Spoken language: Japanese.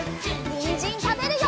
にんじんたべるよ！